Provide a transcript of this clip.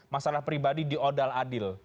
masalah pribadi di odal adil